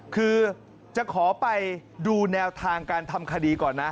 คือจะขอไปดูแนวทางการทำคดีก่อนนะ